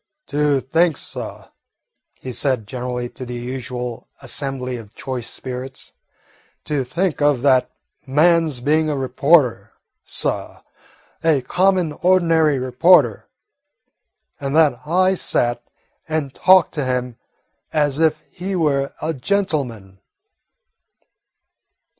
"To think, suh," he said generally to the usual assembly of choice spirits, "to think of that man's being a reporter, suh, a common, ordinary reporter, and that I sat and talked to him as if he were a gentleman!"